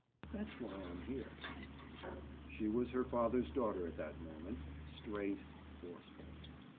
That's why I am here." She was her father's daughter at that moment—straight, forceful.